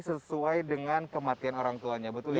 sesuai dengan kematian orang tuanya betul ya